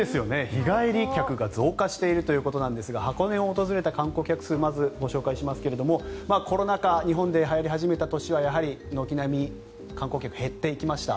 日帰り客が増加しているということなんですが箱根を訪れた観光客数まずご紹介しますがコロナ禍日本ではやり始めた年はやはり軒並み観光客、減っていきました。